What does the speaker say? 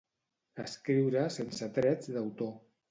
Escriure sense drets d'autor.